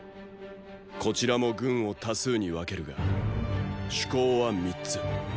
こちらも軍を多数に分けるが“主攻”は三つ。